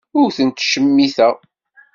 Ur ten-ttcemmiteɣ.